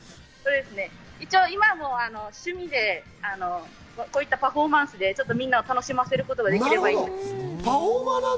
一応、今も趣味でこういったパフォーマンスでみんなを楽しませているんですけど。